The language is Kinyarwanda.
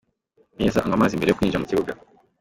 Neza anywa amazi mbere yo kwinjira mu kibuga.